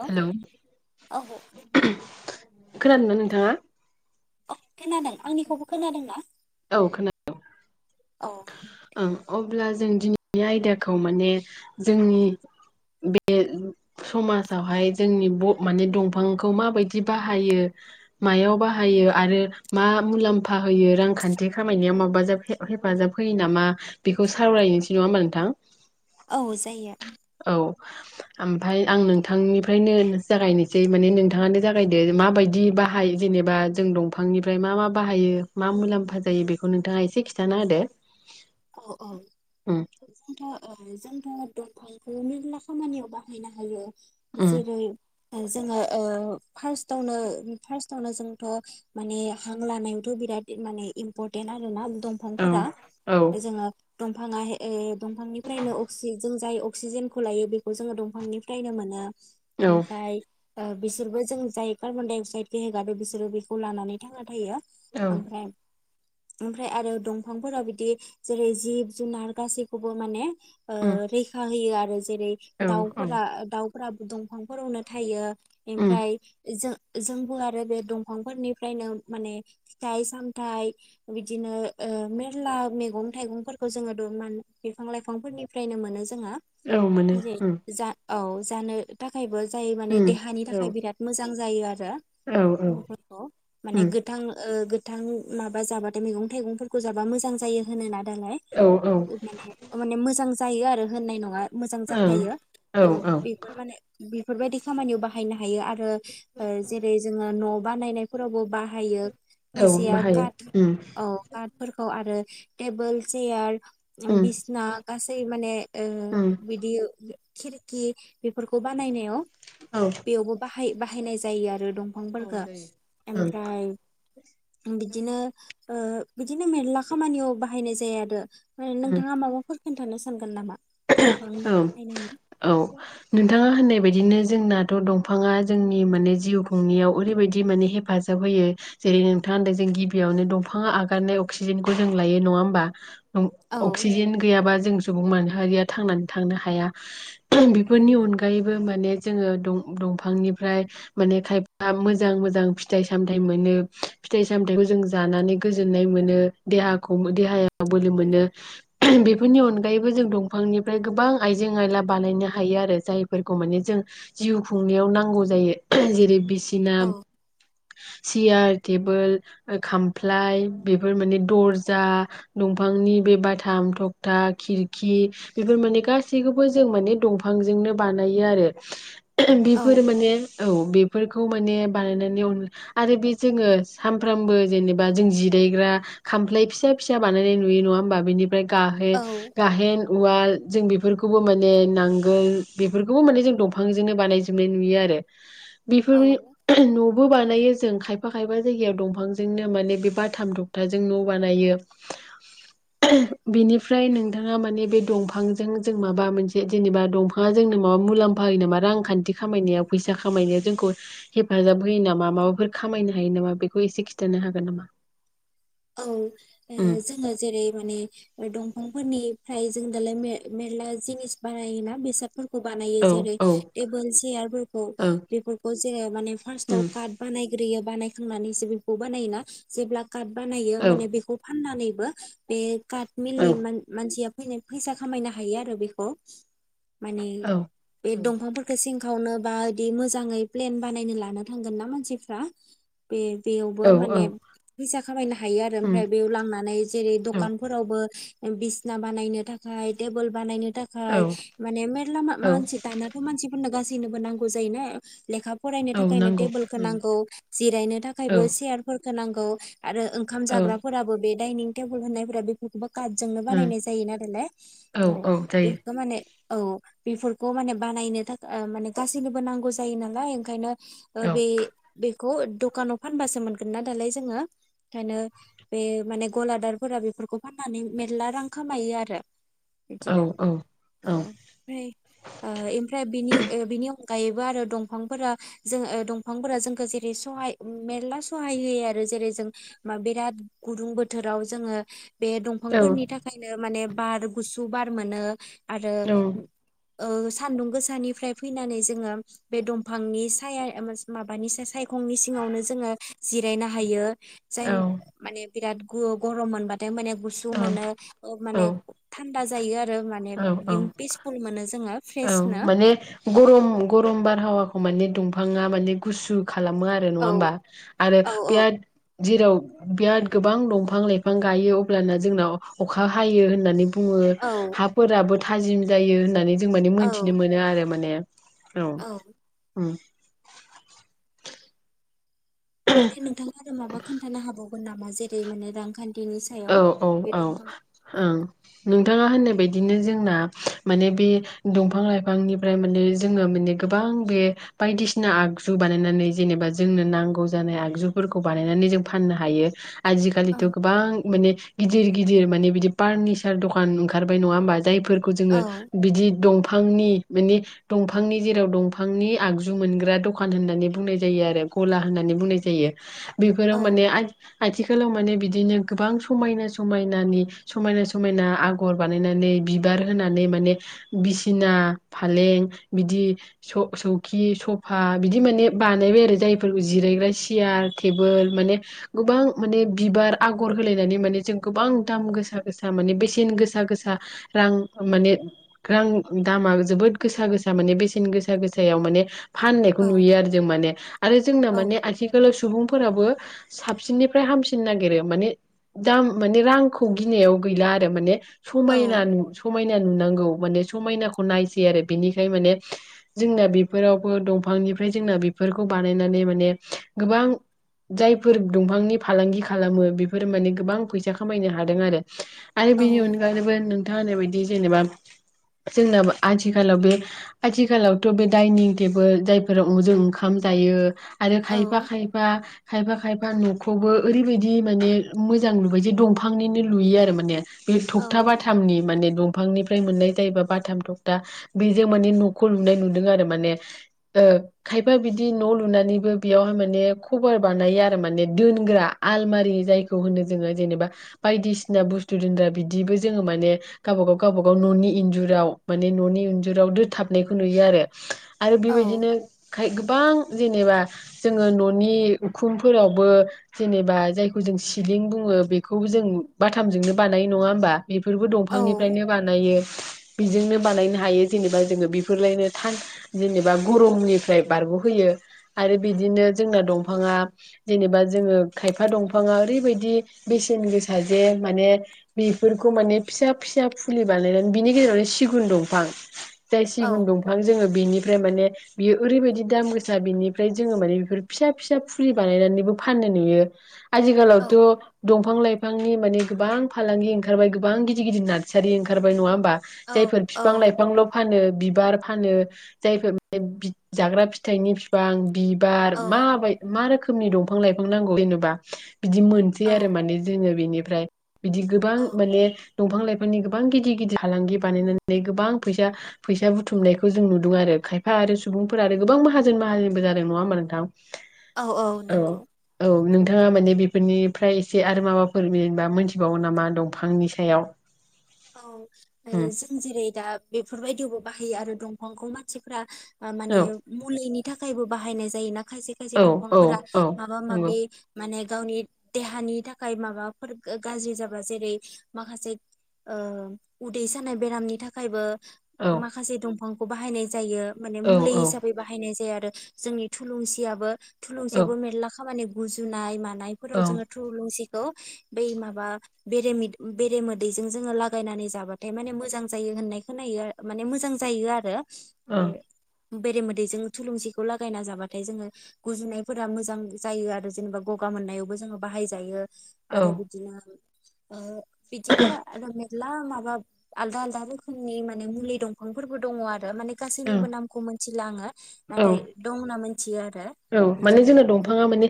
औ औ खोनादोंना नोंथाङा औ खोनादों आंनिखौबो खोनादों ना औ खोनादों औ ओं अब्ला जों दिनैनि आयदाखौ माने जोंनि बे समाजावहाय जोंनि ब माने दंफांखौ माबायदि बाहायो मायाव बाहायो आरो मा मुलाम्फा होयो रांखानथि थि खामायनायाव माबाजाब हेफाजाब होयो नामा बेखौ सावरायनोसै नङा होनमा नोंथां औ जायो औ ओमफ्राय आं नोंथांनिफ्रायनो जागायनोसै माने नोंथाङानो जागायदो माबायदि बाहाय जेनेबा जों दंफांनिफ्राय मा मा बाहायो मा मुलाम्फा जायो बेखौ नोंथाङा एसे खिथाना होदो औ औ उम जोंथ' अ जोंथ' दंफांखौ मेरला खामानियाव बाहायनो हायो उम जेरै जोङो अ फार्स्टआवनो फार्स्टावनो जोंथ' माने हां लानायावथ' बिराद माने इम्परटेन्ट आरो ना औ दंफांफोरा औ जोङो दं दंफाङा एह दंफांनिफ्रायनो अक्सि जों जाय अक्सिजेनखौ लायो बेखौ जोङो दंफांनिफ्रायनो मोनो औ ओमफ्राय अ बिसोरबो जों जाय कार्बन डाइ अक्साइद हगारदों बिसोरो बेखौ लानानै थांना थायो औ ओमफ्राय ओमफ्राय आरो दंफांफोराव बिदि जेरै जिब जुनार गासैखौबो माने अ उम रैखा होयो आरो जेरै औ औ दाउफोरा दाउ फोराबो दंफांफोरावनो थायो उम ओमफ्राय जों जोंबो आरो बे दंफांफोरनिफ्रायनो माने फिथाइ सामथाइ बिदिनो ओ मेरला मैगं थाइगं फोरखौ जोङो दरमान बिफां लाइफांफोरनिफ्रायनो मोनो जोंहा औ मोनो जे उम जा औ जानो थाखायबो जाय माने उम देहानि औ थाखाय बिराद मोजां जायो औ आरो औ [unintelligible] माने उम गोथां ओ गोथां माबा जाबाथाय मैगं थाइगंफोरखौ जाबा मोजां जायो होनोना दालाय औ माने मोजां जायो आरो होननाय नङा मोजां ओं जाखायो औ औ बेफोर माने बेफोरबायदि खामानियाव बाहायनो हायो हायो आरो जेरै जोङो न' बानायनायफोरावबो बाहायो औ खायसेया बाहायो काट उम औ कार्टफोरखौ आरो टेबोल सेयार उम बिसना गासै माने उम बिदि खिरखि बेफोरखौ बानायनायाव औ बेयावबो बाहायो बाहायनाय जायो आरो औ दंफांफोरखौ जायो ओं ओमफ्राय बि बिदिनो बिदिनो मेरला खामानियाव बाहानाय जायो [unintelligible] नोंथाङा माबाफोर खोन्थानो सानगोन नामा दंफां औ बाहायनायनि औ नोंथाङा होननाय बेदिनो जोंनाथ' दंफाङा जोंनि माने जिउ खुंनायाव ओरैबायदि माने हेफाजाब होयो जेरै नोंथांङा होनदों जों गिबियावनो दंफाङा आगारनाय अक्सिजेनखौ जों लायो नङा होमबा औ अक्सिजेन गैयाबा जों सुबुं मानो माहारिया थांनानै थांनो हाया बेफोरनि औ अनगायैबो माने जोङो दंफांनिफ्राय माने खायफा मोजां मोजां फिथाइ सामथाइ मोनो फिथाइ सामथखौ जों जानानै गोजोननाय मोनो देहाखौ देहाया बोलो मोनो [unintelligible] बेफोरनि अनगायैबो जों दं बिफांनिफ्राय गोबां आइजें आयला बानायनो हायो आरो जायफोरखौ माने जों जिउ खुंनायाव नांगौ जायो जेरै बिसिना औ सियार टेबोल खामफ्लाय बेफोर माने दर्जा दंफांनि बे बाथाम थखथा खिरखि बेफोर माने गासैखौबो जों माने दंफांजोंनो बानायो आरो औ बेफोर माने औ बेफोरखौ माने बानायनानै आरो बे जोङो सानफ्रामबो जेनेबा जों जिरायग्रा खामफ्लाय फिसा फिसा बानायनाय नुयो नङा होमबा बेनि बे गाहे औ गाहेन उवाल जों बेफोरखौबो माने नांगोल बेफोरखौबो माने जों दंफांजोंनो बानायजोबनाय नुयो आरो। बेफोरनि औ न'बो बो बानायो जों खायफा खायफा जायगायाव‌ दंफांजोंनो माने बे बाथाम थखथाजों न' बानायो बेनिफ्राय नोंथाङा माने बे दंफांजों जों माबा मोनसे जेनेबा दंफाङा जोंनो माबा मुलाम्फा होयो नामा रांखान्थि खामायनायाव फैसा खामायनायाव जोंखौ हेफाजाब होयो नामा माबाफोर खामायनो हायो नामा बेखौ एसे खिन्थानो हागोन नामा? औ उम जोङो जेरै माने दंफांफोरनि फ्राय जों दालाय मेरला जिनिस बानायोना बेसाद। फोरखौ बानायो औ जेरै औ टेबोल चेयारफोरखौ ओं बेफोरखौ जेरै माने फार्स्टाव उम काथ बानायग्रोयो बानायखांनानैसो बेखौ बानायोना जेब्ला काथ बानायो औ होमबानिया बेखौ फाननानै बो बे काटमिलनि औ मान-मानसिया फैसा खामायनो हायो आरो बेखौ। माने औ बे दंफांफोरखौ सिं खावनो बा इदि मोजाङै प्लेन बानायनो लाना थांगोन ना मानसिफ्रा बे बेयावबो औ औ माने फैसा खामायनो हायो आरो उम ओमफ्राय बेयाव लांनानै जेरै औ दखानफोरावबो बिसना बानायनो थाखाय टेबोल बानायनो थाखाय औ माने मेरला औ मानसि दानाथ' मानसि फोरनो गासैनोबो नांगौ जायोना लेखा फरायनो औ थाखायनो नांगौ टेबोलखौ उम नांगौ जिरायनो औ थाखायबो सेयारफोरखौ होनांगौ आरो ओंखाम औ जाग्राफोराबो बे डाइनिं टेबोल होननायफोरा बेफोरखौबो काथजोंनो उम बानायनाय जायोना दालाय औ बेखौ माने औ बेफोरखौ माने बानायनो थाखाय माने गासैनोबो नांगौ जायो नालाय ओंखायनो औ बे बेफोर खौ दखानाव फानबासो मोनगोन ना दालाय जोङो। ओंखायनो बे माने गलादारफोरा बेफोरखौ फाननानै मेरला रां खामायो आरो औ बिदिनो औ औ ओमफ्राय ओमफ्राय बिनि बिनि अनगायैबो आरो दंफांफोरा जों दंफांफोरा जोंखौ जेरै सहाय मेरला सहाय होयो आरो जेरै जों बिराद गुदुं बोथोराव जोङो बे औ दंफांफोरनि थाखायनो माने बार गुसु बार मोनो आरो औ सानदुं गोसानिफ्राय फैनानै जोङो बे दंफांनि साया माबानि साय खंनि सिङावनो जोङो जिरायनो हायो। औ जाय माने बिराद ग-गरम मोनबाथ' माने गुसु मोनो ओ माने थां दा जायो आरो माने औ औ बिदि पिसफुल मोनो जोङो औ फ्रेसनो माने गरम गरम बारहावाखौ माने दंफाङा माने गुसु खालामो आरो नङा औ होमबा आरो औ औ बिराद जेराव बिराद गोबां दंफां लाइफां गायो अब्लाना जोंनाव अखा हायो होननानै बुङो औ फोराबो थाजिम जायो होननानै जों माने औ मोनथिनो मोनो आरो माने। औ ओं ओमफ्राय नोंथाङा आरो माबा खोन्थानो हाबाव नामा जेरै माने रांखान्थि औ औ औ ओं नोंथाङा होननाय बायदि बिदिनो जोंना माने बे दंफां लाइफांनिफ्राय माने जोङो माने गोबां बे बायदिसिना आगजु बानायनानै जेनेबा जोंनो नांगौ जानाय आगजुफोरखौ बानायनानै जों फाननो हायो। औ आजिखालिथ' गोबां माने गिदिर गिदिर माने बिदि फार्निसार दखान ओंखारबाय नङा होमबा? जायफोरखौ औ जोङो बिदि दंफां दंफांनि माने दंफांनि जेराव दंफांनि आगजु मोनग्रा दखान होननानै बुंनाय जायो आरो ग'ला होननानै बुंनाय जायो। औ बेफोराव माने आ आथिखालाव माने बिदिनो गोबां समायना समायनानि समायना समायना आगर बानायनानै बिबार होनानै माने बिसिना फालें बिदि स सौखि सफा बिदि माने बानायबाय आरो जायफोरखौ जिरायग्रा सियार टेबोल माने गोबां माने बिबार आगर आगर होलायनानै माने जों गोबां दाम गोसा गोसा माने बेसेन गोसा गोसा रां माने रां दामा जोबोद गोसा गोसा माने बेसेन गोसा गोसायाव माने फाननायखौ नुयो आरो जों माने आरो जोंना औ माने आथिखालाव सुबुंफोराबो साबसिननिफ्राय हामसिन नागिरो माने दाम माने रांखौ गिनायाव गैला आरो माने। समायना औ नु समायना नांगौ माने समायनाखौ नायसै आरो बेनिखाय माने जोंना बेफोरावबो दंफांनिफ्राय जोंना बेफोरखौ बानायनानै माने गोबां जायफोर दंफांनि फालांगि खालामो बे फोर माने गोबां फैसा खामायनो हादों आरो। आरो बेनि औ अनगायैबो नों नोंथां होननाय बायदि जेनेबा जोंनाव आथिखालाव बे आथिखालावथ' बे दाइनिं टेबोल जायफोराव जों ओंखाम जायो। आरो खायफा औ खायफा खायफा खायफा न'खौबो ओरैबायदि माने मोजां लुबाय जे दंफांनिनो लुयो आरो माने बे थ'खथा औ बाथामनि माने दं बिफांनिफ्राय मोननाय जायोबा बाथाम थखथा बेजों माने न'खौ लुनाय नुदों आरो माने खायफा बिदि न' लुनानैबो बेयावहाय माने खबार बानायो आरो माने दोनग्रा आलमारि जाय खौ होनो जोङो जेनेबा बायदिसिना बुस्थु दोनग्रा बिदिबो जोङो माने गावबा गाव गावबा गाव न'नि इन्जुराव माने न'नि इन्जुराव दोथाबनायखौ नुयो आरो। आरो औ बेबायदिनो गोबां जेनेबा जोङो न'नि उखुमफोरावबो जेनेबा जायखौ जों सिलिं बुङो बेखौ जों बाथामजोंनो बानायो नङा होमबा बेफोरबो औ दंफांनिफ्रायनो बानायो। बेजोंनो बानायनो हायो जेनेबा जोङो बेफोरलायनो था जेनेबा गरमनिफ्राय बारग'होयो आरो बिदिनो जोंना दंफाङा जेनेबा जोङो खायफा दंफाङा ओरै बायदि बेसेन गोसा जे माने बेफोरखौ माने फिसा फिसा फुलि बानायनानै बिनि गेजेरावनो सिगुन दंफां जाय सिगुन औ दंफां जोङो बेनि फ्राय माने बियो ओरैबायदि दाम गोसा बिनिफ्राय जोङो माने बेफोर फिसा फिसा फुलि बानायनानैबो फाननाय नुयो आथिलाव थ' औ दं दंफां लाइफांनि माने गोबां फालांगि ओंखारबाय गोबां गिदिर गिदिर नारसारि ओंखारबाय नङा। बा औ जायफोर औ बिफां लाइफांल' फानो बिबार फानो जायफोर बे जाग्रा फिथाइनि बिफां बि बार औ मा बायदि मा रोखोम खोमनि दंफां लाइफां नांगौ जेनबा बिदि मोनसै आरो औ माने जोङो बेनि फ्राय बिदि गोबां माने दंफां लाइफांनि गोबां गिदिर गिदिर फालांगि बानायनानै गोबां फैसा फैसा बुथुमनायखौ जों नुदों आरो खायफा आरो सुबुंफोर आरो गोबां माहाजोन माहाजोनबो जादों नङा होनबा नोंथां औ औ नंगौ। ओ माने बेफोरनिफ्राय एसे आरो माबाफोर जेनेबा मोनथिबावो नामा दंफांनि सायाव औ उम जों जेरै दा बेफोरबायदियावबो बाहायो आरो दंफांखौ मानसिफ्रा माने औ मुलैनि थाखायबो बाहायनाय जायो ना। खायसे खायसे औ औ दंफांफोरा औ माबा नंगौ माबि माने गावनि देहानि थाखाय माबाफोर गाज्रि जाबा जेरै माखासे ओ उदै सानाय बेरामनि थाखायबो औ माखासे दंफां खौ बाहायनाय जायो माने औ मुलि औ हिसाबै बाहायनाय जाया आरो जोंनि थुलुंसियाबो औ थुलुंसियाबो मेरला खामानि गुजुनाय मान नायफोराव ओं जोङो थुलुंसि खौ बै माबा बेरे मो मोदैजों जोङो लागायनानै जाबाथाय माने मोजां जायो होननाय खोनायो आ माने मोजां जायो आरो बे औ बेरे मोदैजों थुलुंसिखौ लागायना जाबाथाय जोङो गुजुनायफोरा मोजां जायो आरो जेनेबा गगा मोननायावबो जोङो बाहायजायो आरो ओं बिदिनाबो ओ बिदिनो माला माबा आलदा आलदा रोखोमनि माने मुलि दंफांफोरबो दङ आरो माने गासैनिबो नामखौ मोनथिला आङो औ नाथाय ओं दंना मोनथि या आरो औ माने बिदि जोंनो दंफाङा माने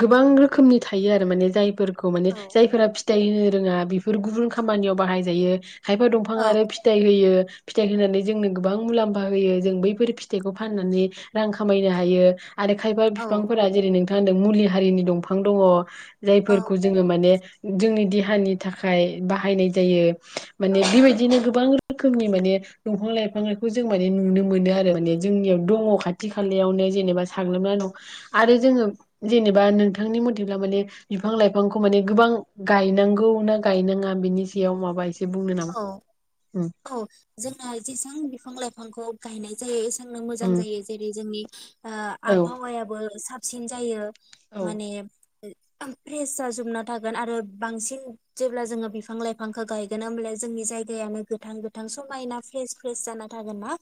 गोबां रोखोमनि थायो आरो माने जायफोर खौ माने औ जायफोरा फिथाइ होनो रोङा बेफोर गुबुन खामानियाव बाहायजायो खायफा दंफां औ आरो फिथाइ होयो फिथाइ होनानै जोंनो गोबां मुलाम्फा होयो जों बैफोर फिथाइखौ फाननानै रां खामायनो हायो आरो खायफा औ बिफांफोरा जेरै नों मा होनदों मुलि हारिनि दंफां दङ औ जायफोरखौ जोङो माने जोंनि देहानि थाखाय बाहायनाय जायो माने औ बेबायदिनो गोबां रोखोमनि माने दंफां लाइफांखौ जों माने नुनो मोनो आरो माने जोंनियाव दङ खाथि खालायावनो जेनेबा साग्लोबना दङ आरो जोङो जेनेबा नोंथांनि मथेब्ला माने बिफां लाइफांखौ माने गोबां गायनांगौ ना गायनाङा बिनि सायाव माबासे औ औ जोंना जेसां बिफां लाइफांखौ गायनाय जायो एसे सोंनो मोजां उम जायो जेरै जोंनि ओ औ आबहावायाबो सा सिन जायो औ माने फ्रेस जाजोबना थागोन आरो बांसिन जेब्ला जोङो बिफां लाइफांखौ गायगोन होमब्ला जोंनि जायगायानो गोथां गोथां समायना फ्रेस फ्रेस जाना थागोन ना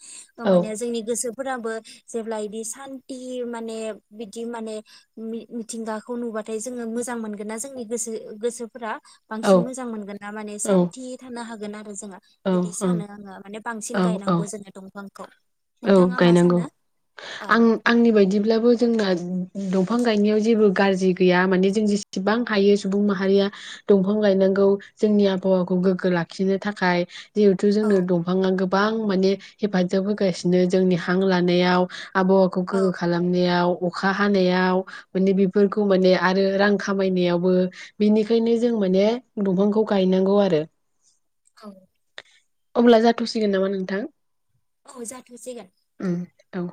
औ होमबानिया जोंनि गोसो फोराबो जेब्ला इदि सान्थि माने बिदि माने मिथिंगाखौ नुबाथाय जोङो मोजां मोनगोन ना जोंनि गोसो गोसोफोरा औ बांसिन मोजां मोनगोन ना माने औ सान्थि हागोन आरो जों ओं बिदि सानो औ आङो माने बांसिन औ गायनांगौ जोंङो दंफांखौ औ नोंथाङा मा गायनांगौ सानो आं आंनि बायदिब्लाबो जोंना दंफां गायनायाव जेबो गाज्रि गैया माने जों जेसेबां हायो सुबुं माहारिया दंफां गायनांगौ जोंनि आबहावाखौ गोग्गो लाखिनो थाखाय [inaudible] जिहेथु औ जोंनो दंफाङा गो गोबां माने हेफाजाब होगासिनो जोंनि हां लानायाव आबहावाखौ औ गोगो खालामनायाव अखा हानायाव माने बेफोरखौ माने आरो रां खामायनायावबो बेनिखायनो जों माने दंफांखौ गायनांगौ आरो औ अब्ला जाथ'सिगोन नामा नोंथां औ जाथ'सिगोन दे उम औ